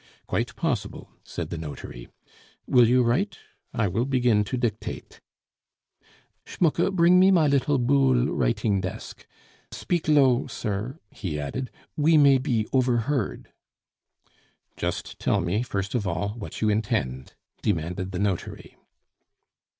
"Quite possible," said the notary. "Will you write? I will begin to dictate " "Schmucke, bring me my little Boule writing desk. Speak low, sir," he added; "we may be overheard." "Just tell me, first of all, what you intend," demanded the notary.